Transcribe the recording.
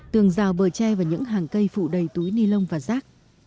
tường rào bờ tre và những hàng cây phụ đầy túi ni lông và rác